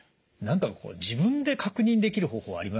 何かこう自分で確認できる方法ありませんか？